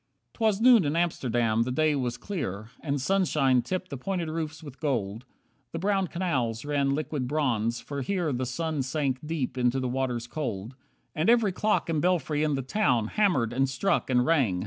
21 'Twas noon in Amsterdam, the day was clear, And sunshine tipped the pointed roofs with gold. The brown canals ran liquid bronze, for here The sun sank deep into the waters cold. And every clock and belfry in the town Hammered, and struck, and rang.